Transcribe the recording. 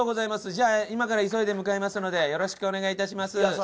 じゃあ今から急いで向かいますのでよろしくお願いいたします。